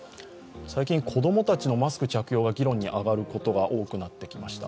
最近、子供たちのマスク着用が議論に上がることが多くなってきました。